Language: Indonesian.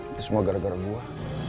itu semua gara gara gue